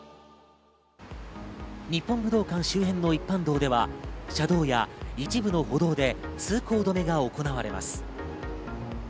日本武道館周辺の一般道では車道や一部の歩道で通行止が行われます。